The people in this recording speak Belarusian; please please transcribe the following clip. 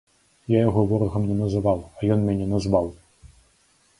Я яго ворагам не называў, а ён мяне назваў!